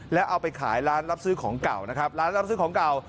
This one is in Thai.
แล้วเอาไปขายร้านรับซื้อของเก่านะครับร้านรับซื้อของเก่า